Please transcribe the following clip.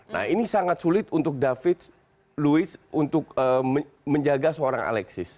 nah ini sangat sulit untuk david louis untuk menjaga seorang alexis